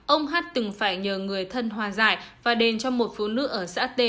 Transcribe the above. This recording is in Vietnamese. ông hát từng phải nhờ người thân hòa giải và đền cho một phụ nữ ở xã t